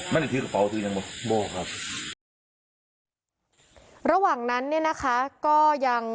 มันยังคือกระเป๋าถือยังบอกครับระหว่างนั้นเนี้ยนะคะก็ยัง